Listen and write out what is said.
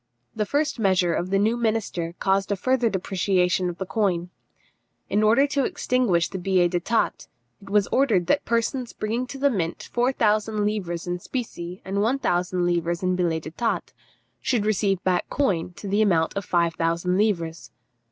The first measure of the new minister caused a further depreciation of the coin. In order to extinguish the billets d'état, it was ordered that persons bringing to the mint four thousand livres in specie and one thousand livres in billets d'état, should receive back coin to the amount of five thousand livres.